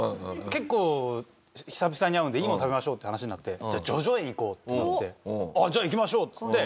結構久々に会うんでいいもの食べましょうって話になって叙々苑行こうってなって「じゃあ行きましょう」っつって。